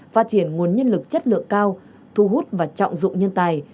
phát triển nguồn nhân lực chất lượng cao thu hút và trọng dụng nhân tài